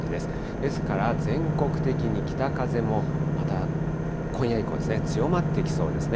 ですから全国的に北風もまた今夜以降、強まってきそうですね。